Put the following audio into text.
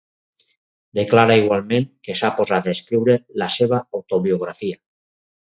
Declara igualment que s'ha posat a escriure la seva autobiografia.